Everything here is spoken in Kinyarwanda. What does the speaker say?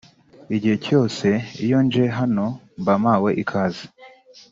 Igihe cyose iyo nje hano mba mpawe ikaze